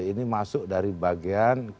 ini masuk dari bagian